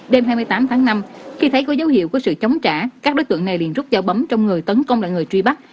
đêm hai mươi tám tháng năm khi thấy có dấu hiệu của sự chống trả các đối tượng này liền rút dao bấm trong người tấn công lại người truy bắt